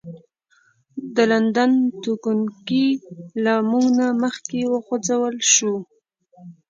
د لندن تګونکي له موږ نه مخکې وخوځول شول.